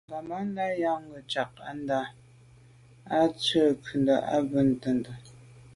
Ŋgàbándá nyâgə̀ ják á ndɑ̌’ ndzwə́ ncúndá á bì’də̌ tɛ̌ndá.